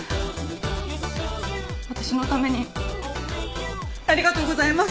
私のためにありがとうございます。